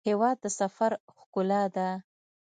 هېواد د سفر ښکلا ده.